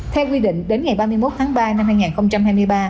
theo quy định đến ngày ba mươi một tháng ba năm hai nghìn hai mươi ba